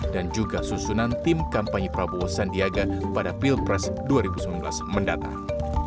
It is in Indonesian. dan juga susunan tim kampanye prabowo sandi pada pilpres dua ribu sembilan belas mendatang